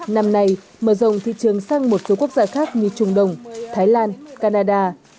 năm nay mở rộng thị trường sang một số quốc gia khác như trung đông thái lan canada